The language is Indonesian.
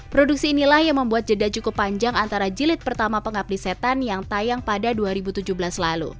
produksi inilah yang membuat jeda cukup panjang antara jilid pertama pengabdi setan yang tayang pada dua ribu tujuh belas lalu